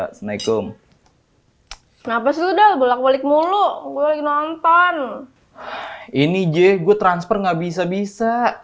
assalamualaikum kenapa sudah bolak balik mulu gue nonton ini je gue transfer nggak bisa bisa